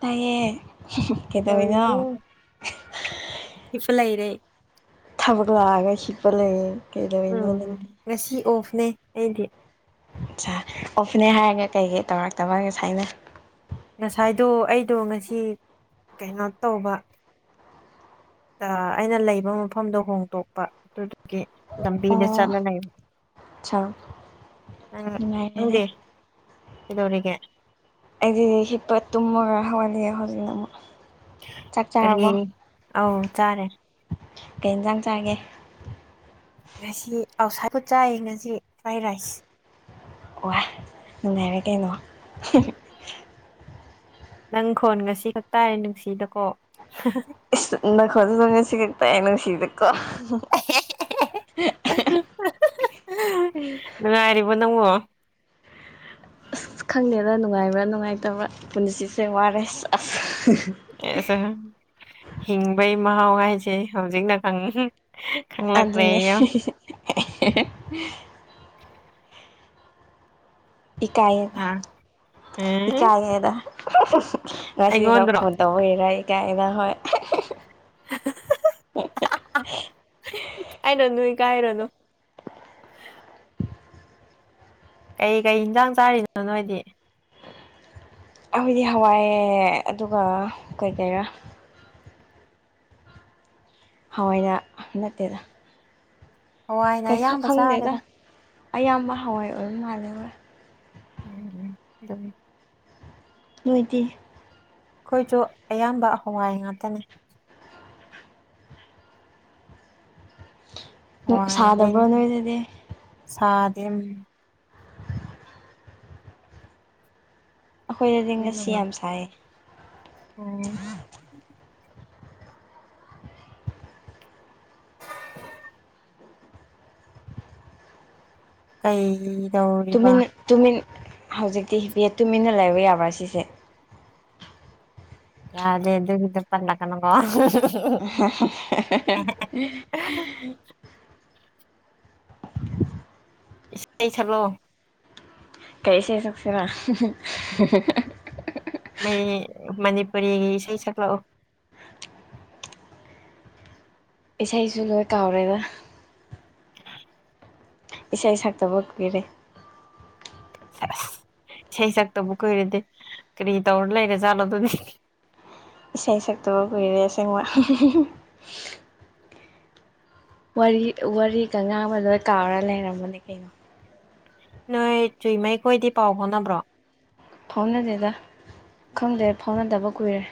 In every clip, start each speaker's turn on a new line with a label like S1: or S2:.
S1: ꯇꯌꯦꯦ
S2: ꯆꯗꯧꯔꯤꯒ shift ꯂꯥꯏꯔꯦ
S1: ꯊꯕꯛ ꯂꯥꯛꯑꯒ ꯍꯤꯞꯄ ꯂꯩ ꯀꯩꯗꯧꯔꯤꯅꯣ ꯅꯗꯤ
S2: ꯅ ꯊꯦꯡꯌꯨ [inaudible] [unintelligible]
S1: ꯑꯣꯐꯅꯦ ꯍꯥꯏꯔꯒ ꯀꯩꯀꯩ ꯇꯧꯔꯛꯇꯕꯒ ꯉꯁꯥꯏꯅ
S2: ꯉꯁꯥꯏꯗꯣ ꯑꯩꯗꯣ ꯉꯁꯤ ꯀꯩꯅꯣ ꯇꯧꯕ ꯑꯩꯅ ꯂꯩꯕ ꯃꯐꯝꯗꯣ ꯍꯣꯡꯇꯣꯛꯄ ꯑꯗꯨꯗꯨꯒꯤ ꯂꯝꯕꯤꯗ ꯆꯠꯂꯒ ꯂꯩꯕ
S1: ꯁꯔꯛ
S2: ꯅꯪ
S1: ꯅꯨꯡꯉꯥꯏꯕꯅꯦ
S2: ꯅꯪꯗꯤ ꯀꯩꯗꯧꯔꯤꯒꯦ
S1: ꯑꯩꯗꯤ ꯍꯤꯞꯄ ꯇꯨꯃ ꯍꯋꯥꯂꯤ ꯍꯔꯤ ꯎꯝ
S2: ꯀꯔꯤ ꯑ ꯆꯥꯔꯦ
S1: ꯀꯩ ꯌꯦꯟꯁꯥꯡ ꯆꯥꯒꯦ
S2: ꯉꯁꯤ ꯑꯥꯎꯠꯁꯥꯏꯠꯄ ꯆꯥꯏ ꯉꯁꯤ ꯐ꯭ꯔꯥꯏ ꯔꯥꯏꯁ
S1: ꯋꯥ ꯅꯨꯡꯉꯥꯏꯔꯦ ꯀꯩꯅꯣ
S2: ꯅꯪ ꯈꯣꯟꯒꯁꯤ ꯈꯛ ꯇꯥꯔꯦ ꯅꯨꯡꯁꯤꯗꯀꯣ
S1: ꯅ ꯈꯣꯖ ꯁꯤꯛꯇꯅ ꯁꯤ [unintelligible] ꯀ
S2: ꯅꯨꯡꯉꯥꯏꯔꯤꯕꯣ ꯅꯪꯕꯣ
S1: ꯑꯁ ꯈꯪꯗꯦꯗ ꯅꯨꯡꯉꯥꯏꯕ꯭ꯔꯥ ꯅꯨꯡꯉꯥꯏꯇꯕ꯭ꯔꯥ ꯄꯨꯟꯁꯤꯁꯦ ꯋꯥꯔꯦ ꯑꯁ
S2: ꯑꯦꯁ ꯍꯤꯡꯕꯩ ꯃꯍꯥꯎ ꯍꯥꯏꯁꯦ ꯍꯧꯖꯤꯛꯅ ꯈꯪꯉꯤ
S1: ꯑꯗꯨꯅꯦ [inaudible] ꯏꯀꯥꯏꯌꯦ
S2: ꯅꯍꯥꯟ ꯎꯝ
S1: ꯏꯀꯥꯏꯌꯦꯕ ꯑ [inaudible] ꯉꯁꯤꯈꯛ
S2: ꯑꯩꯉꯣꯟꯗ꯭ꯔꯣ
S1: ꯐꯣꯟ ꯇꯧꯕꯔ ꯑꯩ ꯀꯥꯏꯅꯥ ꯍ
S2: ꯀꯥꯏꯅ ꯀꯥꯏ ꯔꯅꯣ [inaudible] ꯀꯩ ꯀꯩ ꯏꯟꯖꯥꯡ ꯆꯥꯔꯤꯅꯣ ꯅꯣꯏꯗꯤ
S1: ꯑꯩꯈꯣꯏꯗꯤ ꯍꯋꯥꯏ ꯑꯗꯨꯒ ꯀꯩꯀꯩꯔꯥ ꯍꯋꯥꯏꯒ ꯅꯠꯇꯦꯗ
S2: ꯍꯋꯥꯏꯅ
S1: ꯀꯩꯈꯛ
S2: ꯑꯌꯥꯝꯕ
S1: ꯈꯪꯗꯦꯗ
S2: ꯆꯥꯔꯦꯗ
S1: ꯑꯌꯥꯝꯕ ꯍꯋꯥꯏ ꯑꯣꯏꯕ ꯃꯥꯜꯂꯦꯕꯣꯏ
S2: ꯎꯝ ꯑꯗꯨꯝ
S1: ꯅꯣꯏꯗꯤ
S2: ꯑꯩꯈꯣꯏꯁꯨ ꯑꯌꯥꯝꯕ ꯍꯋꯥꯏ ꯉꯥꯛꯇꯅꯤ ꯍꯋꯥꯏꯗꯩ
S1: ꯁꯥꯗꯕ꯭ꯔꯣ ꯅꯣꯏ ꯑꯗꯨꯗꯤ
S2: ꯇꯦꯝ
S1: ꯑꯩꯈꯣꯏꯗꯗꯤ ꯉꯁꯤ ꯌꯥꯝ ꯁꯥꯏꯌꯦ
S2: ꯎꯝ꯫ ꯀꯩꯒꯤ
S1: ꯇꯨꯃꯤꯟ ꯇꯨꯃꯤꯟ ꯍꯧꯖꯤꯛꯇꯤ ꯕꯦ ꯇꯨꯃꯤꯟꯅ [unintelligible] ꯌꯥꯕ꯭ꯔꯥ ꯁꯤꯁꯦ꯫
S2: ꯌꯥꯗꯦ ꯑꯗꯨꯒꯤꯗꯨ ꯄꯜꯂꯛꯀꯅꯨꯀꯣ [unintelligible]
S1: [unintelligible]
S2: ꯏꯁꯩ ꯁꯛꯂꯛꯑꯣ꯫
S1: ꯀꯩ ꯏꯁꯩ ꯁꯛꯁꯤꯔꯥ [unintelligible]
S2: ꯃꯩ ꯃꯅꯤꯄꯨꯔꯤꯒꯤ ꯏꯁꯩ ꯁꯛꯂꯛꯑꯣ꯫
S1: ꯏꯁꯩꯁꯨ ꯂꯣꯏ ꯀꯥꯎꯔꯦꯗ꯫ ꯏꯁꯩ ꯁꯛꯇꯕ ꯀꯨꯢꯔꯦ꯫
S2: ꯏꯁꯩ ꯁꯛꯇꯕꯨ ꯀꯨꯏꯔꯗꯤ ꯀꯔꯤ ꯇꯧꯔ ꯂꯩꯔꯖꯥꯠꯂꯣ ꯑꯗꯨꯗꯤ
S1: ꯏꯁꯩ ꯁꯛꯇꯕ ꯀꯨꯏꯔꯦ ꯑꯁꯦꯡꯕ [unintelligible] ꯋꯥꯔꯤ ꯋꯥꯔꯤꯒ ꯉꯥꯡꯕꯗ ꯇꯥꯎꯔ ꯂꯩꯔꯕꯅꯤ ꯀꯩꯅꯣ꯫
S2: ꯅꯣꯏ ꯇꯨꯃꯩꯈꯣꯏꯗꯤ ꯄꯥꯎ ꯐꯣꯅꯕ꯭ꯔꯣ꯫
S1: ꯐꯥꯎꯅꯗꯦꯗ ꯈꯪꯗꯦ ꯐꯥꯎꯅꯗꯕ ꯀꯨꯏꯔꯦ꯫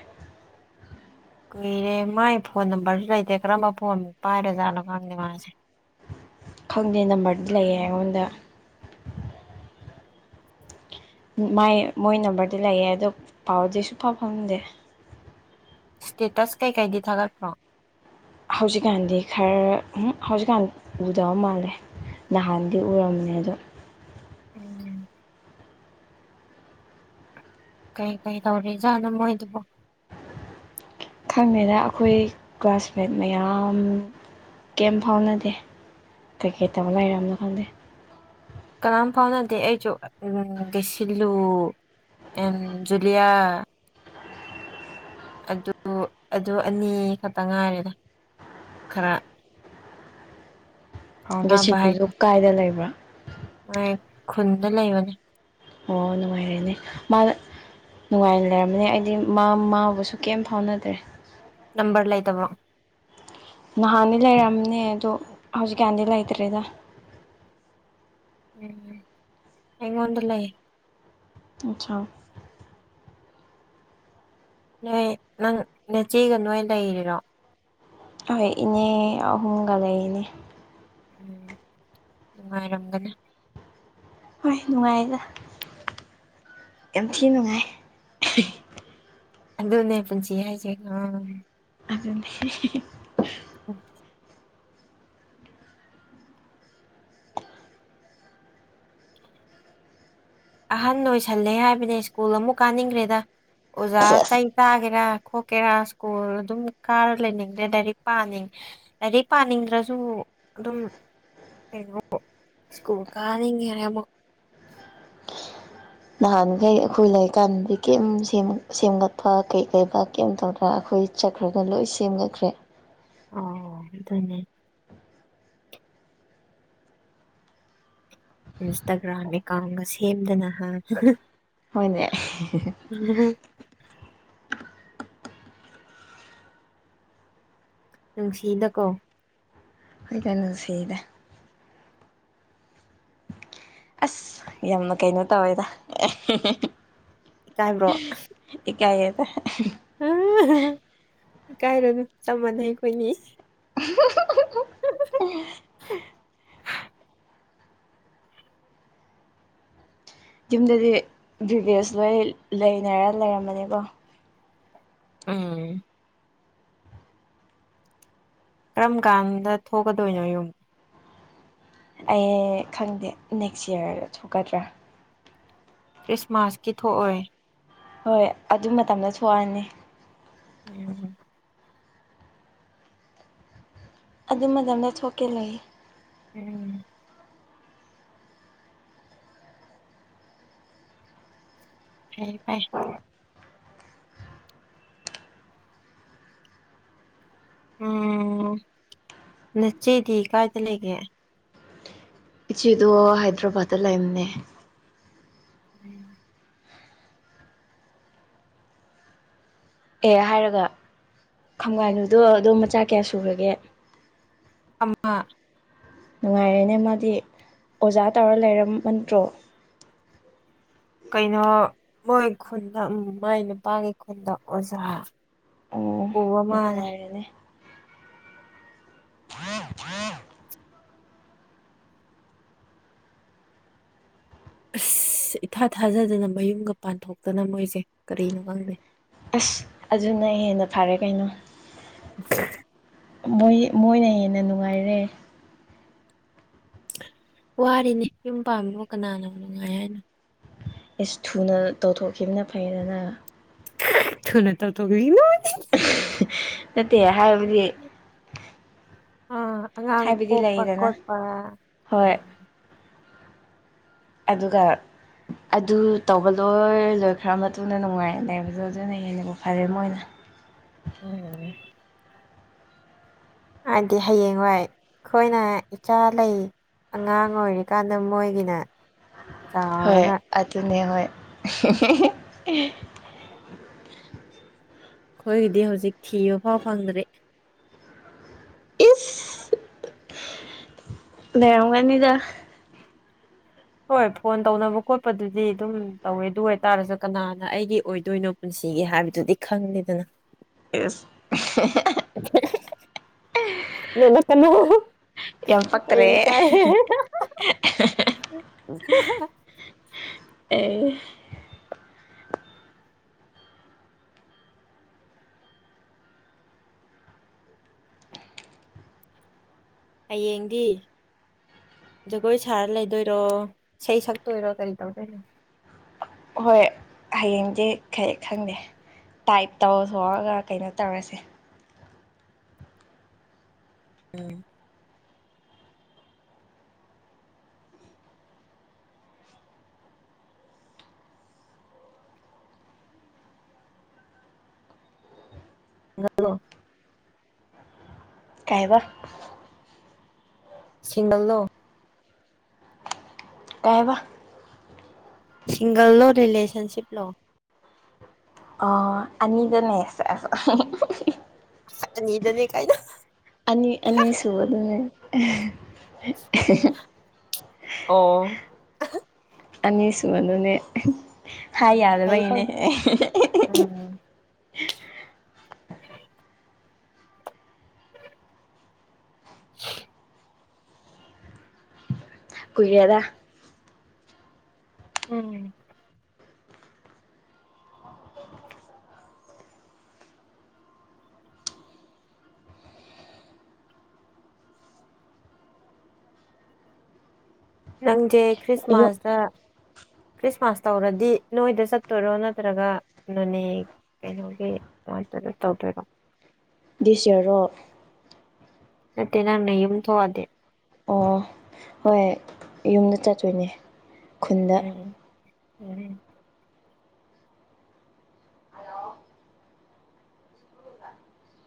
S2: ꯀꯨꯏꯔꯦ ꯃꯥꯏ ꯐꯣꯟ ꯅꯝꯕꯔꯖꯨ ꯂꯩꯇꯦ ꯀꯔꯝꯕ ꯐꯣꯟ ꯄꯥꯏꯔꯖꯥꯠꯅꯣ ꯈꯪꯗꯦ ꯃꯥꯁꯦ꯫
S1: ꯈꯪꯗꯦ ꯅꯝꯕꯔꯗꯤ ꯂꯩꯌꯦ ꯑꯩꯉꯣꯟꯗ꯫ ꯃꯥꯏ ꯃꯣꯏ ꯅꯝꯕꯔꯗꯤ ꯂꯩꯌꯦ ꯑꯗꯣ ꯄꯥꯎꯗꯤ ꯁꯨꯡꯐꯥꯎ ꯐꯥꯎꯅꯗꯦ꯫
S2: ꯁ꯭ꯇꯦꯇꯁ ꯀꯩꯀꯩꯗꯤ ꯊꯥꯒꯠꯄ꯭ꯔꯣ꯫
S1: ꯍꯧꯖꯤꯛꯀꯥꯟꯗꯤ ꯈꯔ ꯍꯧꯖꯤꯛꯀꯥꯟ ꯎꯗꯕ ꯃꯥꯜꯂꯦ ꯅꯍꯥꯟꯗꯤ ꯎꯔꯝꯃꯦ ꯑꯗꯣ
S2: ꯎꯝ꯫ ꯀꯩ ꯀꯩ ꯇꯧꯔꯤꯖꯥꯠꯂ ꯃꯣꯏꯗꯨꯕꯨꯣ꯫
S1: ꯈꯪꯗꯦꯗ ꯑꯩꯈꯣꯏ ꯀ꯭ꯂꯥꯁꯃꯦꯠ ꯃꯌꯥꯝ ꯀꯩꯝ ꯐꯥꯎꯅꯗꯦ ꯀꯩꯀꯩ ꯇꯧ ꯂꯩꯔꯝꯃꯅꯣ ꯈꯪꯗꯦ꯫
S2: ꯀꯅꯥꯝ ꯐꯥꯎꯅꯗꯦ ꯑꯩꯖꯨ ꯗꯤꯁꯤꯂꯨ ꯑꯦꯟ ꯖꯨꯂꯤꯌꯥ ꯑꯗꯨ ꯑꯗꯨ ꯑꯅꯤ ꯈꯛꯇ ꯉꯥꯏꯔꯦꯗ ꯈꯔ ꯐꯥꯎꯅꯕ
S1: ꯗꯦꯁꯤꯗꯨꯁꯨ
S2: ꯍꯥꯏꯗꯤ
S1: ꯀꯥꯏꯗ ꯂꯩꯕ꯭ꯔꯥ꯫
S2: ꯈꯨꯟꯗ ꯂꯩꯕꯅꯤ꯫
S1: ꯑꯣ ꯅꯨꯡꯉꯥꯏꯔꯦꯅꯦ ꯃꯥꯅ ꯅꯨꯡꯉꯥꯏꯅ ꯂꯩꯔꯝꯅꯤ ꯑꯩꯗꯤ ꯃꯥ ꯃꯥꯕꯨꯁꯨ ꯀꯩꯝ ꯐꯥꯎꯅꯗꯦ꯫
S2: ꯅꯝꯕꯔ ꯂꯩꯇꯕꯔꯣ꯫
S1: ꯅꯍꯥꯟꯗꯤ ꯂꯩꯔꯝꯅꯦ ꯑꯗꯣ ꯍꯧꯖꯤꯛꯀꯥꯟꯗꯤ ꯂꯩꯇ꯭ꯔꯦꯗ꯫
S2: ꯎꯝ ꯑꯉꯣꯗ ꯂꯩ꯫
S1: ꯑꯆꯥꯥ꯫
S2: ꯅꯣꯏ ꯅꯪ ꯅꯦꯆꯦꯒ ꯅꯣꯏ ꯂꯩꯔꯤꯔꯣ꯫
S1: ꯍꯣꯏ ꯏꯅꯦ ꯑꯍꯨꯝꯒ ꯂꯩꯅꯦ꯫
S2: ꯎꯝ ꯅꯨꯡꯉꯥꯏꯔꯝꯒꯅꯤ꯫
S1: ꯍꯣꯏ ꯅꯨꯡꯉꯥꯏꯗ ꯌꯥꯝ ꯊꯤꯅ ꯅꯨꯡꯉꯥꯏ꯫
S2: ꯑꯗꯨꯅꯦ ꯄꯨꯟꯁꯤ ꯍꯥꯢꯌꯦ ꯎꯝ꯫
S1: ꯑꯗꯨꯅꯦ [unintelligible]
S2: ꯑꯍꯟ ꯑꯣꯏꯁꯜꯂꯦ ꯍꯥꯏꯕꯅꯦ ꯁ꯭ꯀꯨꯜ ꯑꯃꯨꯛ ꯀꯥꯅꯤꯡꯈ꯭ꯔꯦꯗ꯫ ꯑꯣꯖꯥ
S1: ꯁꯦꯁ
S2: ꯆꯩ ꯇꯥꯒꯦꯔꯥ꯫ ꯈꯣꯀꯦꯔꯥ ꯁ꯭ꯀꯨꯜ ꯑꯗꯨꯝ ꯀꯥꯔ ꯂꯩꯅꯤꯡꯗ꯭ꯔꯦ ꯂꯥꯏꯔꯤꯛ ꯄꯥꯅꯤꯡ ꯂꯥꯏꯔꯤꯛ ꯄꯥꯅꯤꯡꯗ꯭ꯔꯁꯨ ꯑꯗꯨꯝ ꯀꯩꯅꯣ ꯁ꯭ꯀꯨꯜ ꯀꯥꯅꯤꯡꯉꯦ ꯑꯃꯨꯛ꯫
S1: ꯅꯍꯥꯟꯈꯩ ꯑꯩꯈꯣꯏ ꯂꯩꯔꯤꯛꯀꯥꯟꯗꯗꯤ ꯀꯩꯝ ꯁꯦꯝ ꯁꯦꯝꯒꯠꯄ ꯀꯩ ꯀꯩꯕ ꯀꯩꯝ ꯇꯧꯗ꯭ꯔꯥ ꯑꯩꯈꯣꯏ ꯆꯠꯈ꯭ꯔꯒ ꯂꯣꯏ ꯁꯦꯝꯒꯠꯈ꯭ꯔꯦ꯫
S2: ꯑꯣ ꯑꯗꯨꯅꯦ꯫ ꯏꯟꯁꯇꯥꯒ꯭ꯔꯥꯝ ꯑꯦꯀꯥꯎꯟꯒ ꯁꯦꯝꯗꯅ ꯍꯥ꯫
S1: ꯍꯣꯏꯅꯦ꯫
S2: ꯅꯨꯡꯁꯤꯗꯀꯣ꯫
S1: ꯍꯣꯏ ꯀꯥꯏꯅ ꯅꯨꯡꯁꯤꯗ꯫ ꯑꯁ ꯌꯥꯝꯅ ꯀꯩꯅꯣ ꯇꯧꯋꯦꯗ ꯑꯦ꯫
S2: ꯏꯀꯥꯏꯕ꯭ꯔꯣ꯫
S1: ꯏꯀꯥꯏ ꯌꯦꯇꯥ꯫
S2: ꯏꯀꯥꯏꯔꯣꯅꯨ ꯆꯝꯃꯥꯟꯅꯩ ꯑꯩꯈꯣꯏꯅꯤ꯫ [unintelligible]
S1: ꯌꯨꯝꯗꯗꯤ ꯕꯤꯚꯦꯁ ꯂꯣꯏ ꯂꯩꯅꯔ ꯂꯩꯔꯝꯃꯅꯤꯀꯣ꯫
S2: ꯎꯝ꯫ ꯀꯔꯝ ꯀꯥꯟꯗ ꯊꯣꯛꯀꯗꯣꯏꯅꯣ ꯌꯨꯝ꯫
S1: ꯑꯩ ꯈꯪꯗꯦ ꯅꯦꯛꯁ ꯌ꯭ꯔꯗ ꯊꯣꯛꯀꯗ꯭ꯔꯥ꯫
S2: ꯈ꯭ꯔꯤꯁꯃꯥꯁꯀꯤ ꯊꯣꯛꯑꯣꯏ꯫
S1: ꯍꯣꯏ ꯑꯗꯨ ꯃꯇꯝꯗ ꯊꯣꯛꯑꯅꯤ꯫
S2: ꯎꯝ꯫
S1: ꯑꯗꯨ ꯃꯇꯝꯗ ꯊꯣꯛꯀꯦ ꯂꯩ꯫
S2: ꯎꯝ꯫ ꯐꯩ ꯐꯩ꯫ ꯎꯝ ꯅꯆꯦꯗꯤ ꯀꯥꯏꯗ ꯂꯩꯒꯦ꯫
S1: ꯏꯆꯦꯗꯣ ꯍꯥꯏꯗ꯭ꯔꯕꯥꯠꯇ ꯂꯩꯝꯅꯦ꯫
S2: [inaudible]
S1: ꯑꯦ ꯍꯥꯏꯔꯒ ꯈꯪꯒꯥꯏꯅꯨꯗꯣ ꯑꯗꯨ ꯃꯆꯥ ꯀꯌꯥ ꯁꯨꯈ꯭ꯔꯒꯦ꯫
S2: ꯑꯃ꯫
S1: ꯅꯨꯡꯉꯥꯏꯔꯦꯅꯦ ꯃꯥꯗꯤ ꯑꯣꯖꯥ ꯇꯧꯔ ꯂꯩꯔꯃꯟꯗ꯭ꯔꯣ꯫
S2: ꯀꯩꯅꯣ ꯃꯣꯏ ꯈꯨꯟꯗ ꯎꯝ ꯃꯥꯏ ꯅꯨꯄꯥꯒꯤ ꯈꯨꯟꯗ ꯑꯣꯖꯥ꯫ ꯑꯣ ꯋꯥ
S1: ꯌꯥꯝ
S2: ꯃꯥꯅꯦ꯫
S1: ꯅꯨꯡꯉꯥꯏꯔꯦꯅꯦ
S2: ꯑꯁ ꯏꯊꯥ ꯊꯥꯖꯗꯅ ꯃꯌꯨꯝꯒ ꯄꯥꯟꯊꯣꯛꯇꯅ ꯃꯣꯏꯁꯦ ꯀꯔꯤꯅꯣ ꯈꯪꯗꯦ꯫
S1: ꯑꯁ ꯑꯗꯨꯅ ꯍꯦꯟꯅ ꯐꯔꯦ ꯀꯩꯅꯣ꯫
S2: [unintelligible]
S1: ꯃꯣꯏ ꯃꯣꯏꯅ ꯍꯦꯟꯅ ꯅꯨꯡꯉꯥꯏꯔꯦ꯫
S2: ꯋꯥꯔꯤꯅꯤ ꯌꯨꯝ ꯄꯥꯝꯕꯕꯨ ꯀꯅꯥꯅꯣ ꯅꯨꯡꯉꯥꯏ ꯍꯥꯏꯅꯣ꯫
S1: ꯑꯦꯁ ꯊꯨꯅ ꯇꯧꯊꯣꯛꯈꯤꯕꯅ ꯐꯩꯗꯅ꯫
S2: [unintelligible] ꯊꯨꯅ ꯇꯧꯊꯣꯛꯈꯤ [unintelligible]
S1: ꯅꯠꯇꯦ꯫ ꯍꯥꯏꯕꯗꯤ꯫
S2: ꯑꯥ ꯑꯉꯥꯡ
S1: ꯍꯥꯏꯕꯗꯤ
S2: ꯄꯣꯛꯄ
S1: ꯂꯩꯗꯅ
S2: ꯈꯣꯠꯄ꯫
S1: ꯍꯣꯏ ꯑꯗꯨꯒ ꯑꯗꯨ ꯇꯧꯕ ꯂꯣꯏ ꯂꯣꯏꯈ꯭ꯔ ꯃꯇꯨꯡꯗ ꯅꯨꯡꯉꯥꯏꯅ ꯂꯩꯕꯗꯣ ꯑꯗꯨꯅ ꯍꯦꯟꯅ ꯐꯔꯦ ꯃꯣꯏꯅ꯫
S2: ꯎꯝ꯫ ꯍꯥꯏꯗꯤ ꯍꯌꯦꯡꯋꯥꯏ ꯑꯩꯈꯣꯏꯅ ꯏꯆꯥ ꯂꯩ ꯑꯉꯥꯡ ꯑꯣꯏꯔꯤꯀꯥꯟꯗ ꯃꯣꯏꯒꯤꯅ꯫
S1: ꯍꯣꯏ
S2: ꯆꯥꯎꯔꯒ
S1: ꯑꯗꯨ ꯑꯗꯨꯅꯦ ꯍꯣꯏ [inaudible]
S2: ꯑꯩꯈꯣꯏꯒꯤꯗꯤ ꯍꯧꯖꯤꯛ ꯊꯤꯕ ꯐꯥꯎ ꯐꯪꯗ꯭ꯔꯦ
S1: ꯏꯁ
S2: [inaudible]
S1: ꯂꯩꯔꯝꯒꯅꯤꯗ
S2: ꯍꯣꯏ ꯐꯣꯟ ꯇꯧꯅꯕ ꯈꯣꯠꯄꯗꯨꯗꯤ ꯑꯗꯨꯝ ꯇꯧꯋꯦ ꯑꯗꯨ ꯑꯣꯏꯇꯥꯔꯁꯨ ꯀꯅꯥꯅ ꯑꯩꯒꯤ ꯑꯣꯏꯗꯣꯏꯅꯣ ꯄꯨꯟꯁꯤꯒꯤ ꯍꯥꯏꯕꯗꯨꯗꯤ ꯈꯪꯗꯦꯗꯅ
S1: ꯏꯁ [unintelligible]
S2: ꯅꯣꯅ ꯀꯅꯣ
S1: ꯌꯥꯝ
S2: ꯑꯩ
S1: ꯄꯛꯇ꯭ꯔꯦ
S2: ꯀꯥꯏ
S1: ꯑꯦ
S2: ꯍꯌꯦꯡꯗꯤ ꯖꯒꯣꯏ ꯁꯥꯔ ꯂꯩꯗꯣꯏꯔꯣ ꯏꯁꯩ ꯁꯛꯇꯣꯏꯔꯣ ꯀꯔꯤ ꯇꯧꯗꯣꯏꯅꯣ
S1: ꯍꯣꯏ ꯍꯌꯦꯡꯗꯤ ꯈꯪꯗꯦ ꯇꯥꯏꯞ ꯇꯧꯊꯣꯛꯑꯒ ꯀꯩꯅꯣ ꯇꯧꯔꯁꯦ
S2: ꯎꯝ ꯍꯂꯣ [inaudible]
S1: ꯀꯥꯏꯕ
S2: ꯁꯤꯡꯒꯜꯂꯣ
S1: ꯀꯥꯏꯕ
S2: ꯁꯤꯡꯒꯜ ꯂꯣ ꯔꯤꯂꯦꯁꯟꯁꯤꯞꯂꯣ
S1: ꯑ ꯑꯅꯤꯖꯩ ꯑꯁ
S2: ꯑꯅꯤꯗꯅꯦ ꯀꯥꯏꯅ
S1: ꯑꯅꯤ ꯑꯅꯤꯁꯨ ꯑꯗꯨ ꯑꯗꯨꯅꯦ [inaudible]
S2: ꯑꯣ
S1: ꯑꯅꯤꯁ ꯃꯅꯦ [inaudible] ꯍꯥꯏ
S2: ꯎꯝ ꯐꯩ
S1: ꯌꯥꯗꯕꯩꯅꯦ
S2: ꯐꯩ
S1: [inaudible]
S2: ꯎꯝ [inaudible] [inaudible]
S1: ꯀꯨꯏꯔꯦꯗ
S2: ꯎꯝ ꯅꯪꯖꯦ
S1: ꯌꯨꯝ
S2: ꯈ꯭ꯔꯤꯁꯃꯥꯁꯇ ꯈ꯭ꯔꯤꯁꯃꯥꯁ ꯇꯧꯔꯗꯤ ꯅꯣꯏꯗ ꯆꯠꯇꯣꯏꯔꯣ ꯅꯠꯇ꯭ꯔꯒ ꯅꯣꯅꯦ ꯀꯩꯅꯣꯒꯤꯃꯥꯏꯇꯣꯏꯔꯣ ꯇꯧꯗꯣꯏꯔꯣ
S1: ꯗꯤꯁ ꯌꯔꯣ
S2: ꯅꯠꯇꯦ ꯅꯪꯅ ꯌꯨꯝ ꯊꯣꯛꯑꯗꯤ
S1: ꯑꯣ ꯍꯣꯏ ꯌꯨꯝꯗ ꯆꯠꯇꯣꯏꯅꯦ ꯈꯨꯟꯗ
S2: ꯎꯝ ꯎꯝ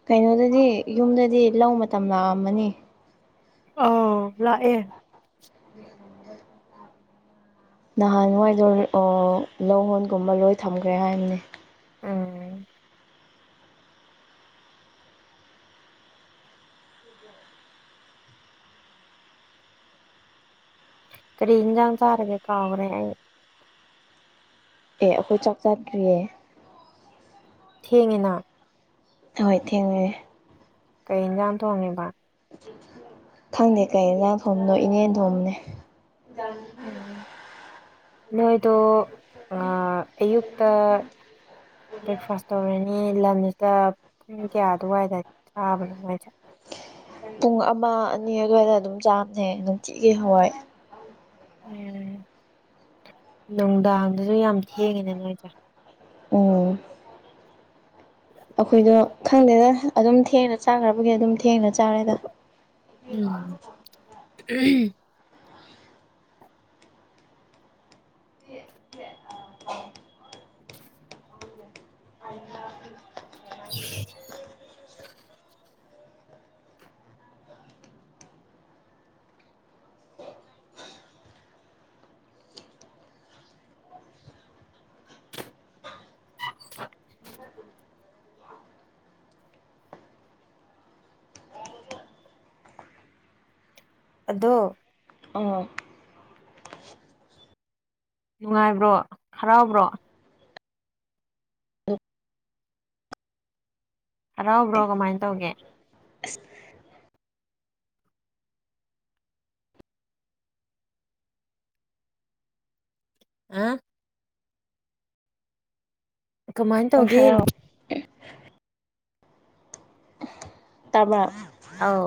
S1: ꯀꯩꯅꯣꯗꯗꯤ ꯌꯨꯝꯗꯗꯤ ꯂꯧ ꯃꯇꯝ ꯂꯥꯛꯑꯝꯃꯅꯤ
S2: ꯑꯥ ꯂꯥꯛꯑꯦ
S1: ꯅꯍꯥꯟꯋꯥꯏꯗꯣ ꯂꯧꯍꯣꯟꯒꯨꯝꯕ ꯂꯣꯏ ꯊꯝꯈ꯭ꯔꯦ ꯍꯥꯏꯕꯅꯦ
S2: ꯎꯝ ꯀꯔꯤꯅꯖꯥꯡ ꯊꯔꯒ ꯀꯥꯎꯒꯔꯦ
S1: ꯑꯦ ꯑꯩꯈꯣꯏ ꯆꯥꯛ ꯆꯥꯗ꯭ꯔꯤꯌꯦ
S2: ꯊꯦꯡꯌꯦꯅ
S1: ꯍꯣꯏ ꯊꯦꯡꯅꯦ
S2: ꯀꯩ ꯏꯟꯖꯥꯡ ꯊꯣꯡꯉꯤꯕ
S1: ꯈꯪꯗꯦ ꯀꯩ ꯏꯟꯖꯥꯡ ꯊꯣꯝꯕꯅꯣ ꯏꯅꯦꯅ ꯊꯣꯝꯕꯅꯦ [unintelligible]
S2: ꯎꯝ ꯅꯣꯏꯗꯣ ꯑꯌꯨꯛꯇ ꯕ꯭ꯔꯦꯛꯐꯥꯁ ꯇꯧꯔꯅꯤ ꯂꯟꯁ ꯄꯨꯡ ꯀꯌꯥ ꯑꯗꯨꯋꯥꯏꯗ ꯆꯥꯕꯅꯣ ꯅꯣꯏꯖꯦ
S1: ꯄꯨꯡ ꯑꯃ ꯑꯅꯤ ꯑꯗꯨꯋꯥꯏꯗ ꯑꯗꯨꯝ ꯆꯥꯝꯅꯦ ꯅꯨꯡꯇꯤꯒꯤ ꯍꯋꯥꯏ
S2: ꯎꯝ ꯅꯨꯡꯗꯥꯡꯗꯁꯨ ꯌꯥꯝ ꯊꯦꯡꯉꯤꯅ ꯅꯣꯏꯁꯦ
S1: ꯎꯝ ꯑꯩꯈꯣꯏꯗꯣ ꯈꯪꯗꯦꯗ ꯑꯗꯨꯝ ꯊꯦꯡꯅ ꯆꯥꯈ꯭ꯔꯕꯒꯤ ꯑꯗꯨꯝ ꯊꯦꯡꯅ ꯆꯥꯔꯦꯗ
S2: ꯎꯝ [unintelligible]
S1: [unintelligible] [unintelligible]
S2: [unintelligible] ꯑꯗꯣ
S1: ꯑꯥ
S2: ꯅꯨꯡꯉꯥꯏꯕ꯭ꯔꯣ ꯍꯔꯥꯎꯕ꯭ꯔꯣ ꯍꯔꯥꯎꯕ꯭ꯔꯣ ꯀꯃꯥꯏꯅ ꯇꯧꯒꯦ ꯍꯥ ꯀꯃꯥꯏꯅ ꯇꯧꯒꯦ
S1: ꯍꯔꯥꯎ [unintelligible] ꯇꯕꯔꯥ
S2: ꯑꯧ